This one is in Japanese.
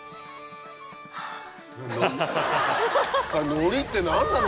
海苔って何なの？